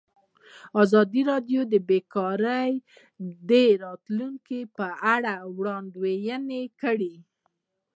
ازادي راډیو د بیکاري د راتلونکې په اړه وړاندوینې کړې.